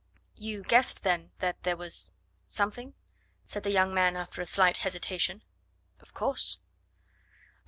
"You guessed, then, that there was... something?" said the younger man, after a slight hesitation. "Of course."